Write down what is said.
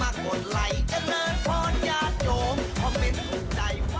สวัสดี